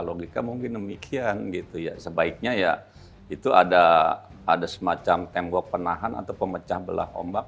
dan logika mungkin demikian gitu ya sebaiknya ya itu ada ada semacam tembok penahan atau pemecah belah ombak